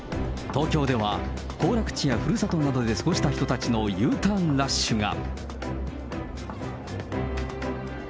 東京では、行楽地やふるさとなどで過ごした人たちのＵターンラッシュが。